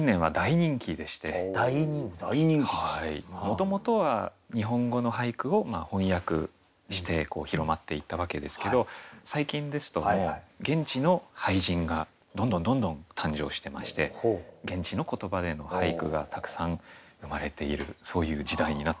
もともとは日本語の俳句を翻訳して広まっていったわけですけど最近ですと現地の俳人がどんどんどんどん誕生してまして現地の言葉での俳句がたくさん生まれているそういう時代になってきました。